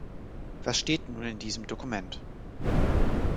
Was steht nun in diesem Dokument?